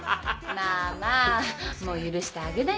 まあまあもう許してあげなよ。